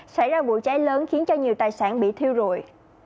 xảy ra vụ cháy lớn khiến cho nhiều tài sản bị thiêu rụi